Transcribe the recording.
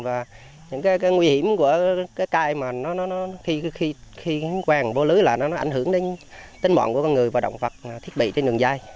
và những nguy hiểm của cái cây mà khi hoàng vô lưới là nó ảnh hưởng đến tính mọn của con người và động vật thiết bị trên đường dây